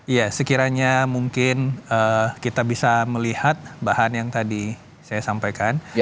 ya sekiranya mungkin kita bisa melihat bahan yang tadi saya sampaikan